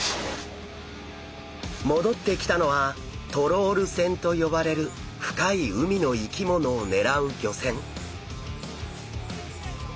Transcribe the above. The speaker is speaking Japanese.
戻ってきたのはトロール船と呼ばれる深い海の生き物を狙う漁船。